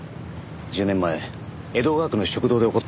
１０年前江戸川区の食堂で起こった事件について。